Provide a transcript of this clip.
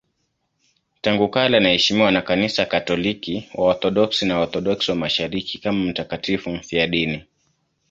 Tangu kale anaheshimiwa na Kanisa Katoliki, Waorthodoksi na Waorthodoksi wa Mashariki kama mtakatifu mfiadini.